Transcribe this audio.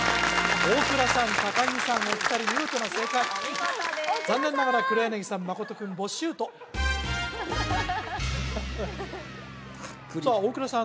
大倉さん高城さんのお二人見事な正解残念ながら黒柳さん真君ボッシュートさあ大倉さん